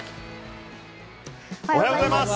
おはようございます。